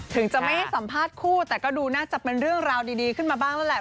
ถึงจะไม่ให้สัมภาษณ์คู่แต่ก็ดูน่าจะเป็นเรื่องราวดีขึ้นมาบ้างแล้วแหละ